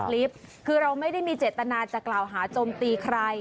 คลิปคือเราไม่ได้มีเจตนาจะกล่าวหาโจมตีใคร